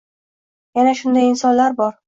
Yana shunday insonlar bor